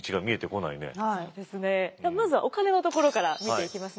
まずはお金のところから見ていきますね。